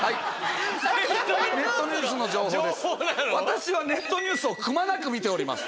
私はネットニュースをくまなく見ております。